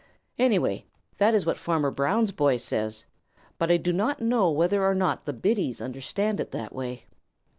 Anyway, that is what Farmer Brown's boy says, but I do not know whether or not the biddies understand it that way.